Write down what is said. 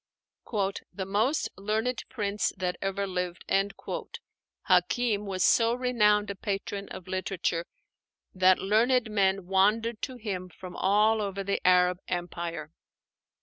"The most learned prince that ever lived," Hákim was so renowned a patron of literature that learned men wandered to him from all over the Arab Empire.